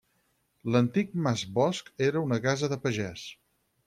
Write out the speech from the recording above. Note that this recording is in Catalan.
L'antic Mas Bosc era una casa de pagès.